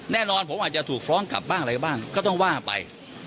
แน่นอนผมอาจจะถูกฟ้องกลับบ้างอะไรบ้างก็ต้องว่าไป